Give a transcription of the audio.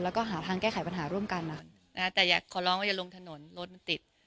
แล้วก็หาทางแก้ไขปัญหาร่วมกันแต่อยากขอร้องว่าอย่าลงถนนรถมันติด